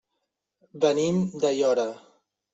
Venim d'Aiora.